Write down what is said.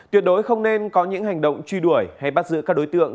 tuyệt đối không nên có những hành động truy đuổi hay bắt giữ các đối tượng